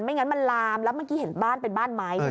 งั้นมันลามแล้วเมื่อกี้เห็นบ้านเป็นบ้านไม้ใช่ไหม